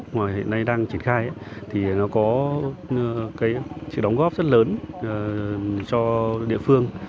mà hiện nay đang triển khai thì nó có cái sự đóng góp rất lớn cho địa phương